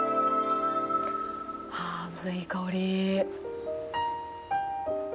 いい香り。